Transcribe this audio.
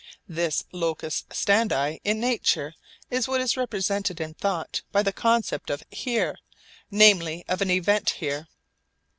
This locus standi in nature is what is represented in thought by the concept of 'here,' namely of an 'event here.'